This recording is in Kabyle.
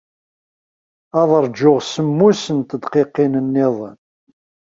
Ad ṛjuɣ semmus n tedqiqin niḍen.